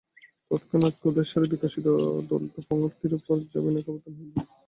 তৎক্ষণাৎ কেদারেশ্বরের বিকশিত দন্তপংক্তির উপর যবনিকাপতন হইল।